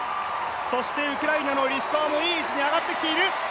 そしてウクライナのリシコワもいい位置に上がってきている！